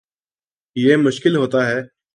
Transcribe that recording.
یہ مشکل ہوتا ہے